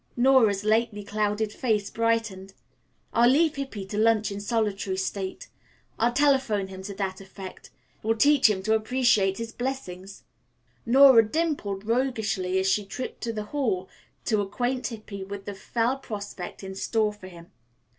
Nora's lately clouded face brightened. "I'll leave Hippy to lunch in solitary state. I'll telephone him to that effect. It will teach him to appreciate his blessings." Nora dimpled roguishly as she tripped to the hall to acquaint Hippy with the fell prospect in store for him.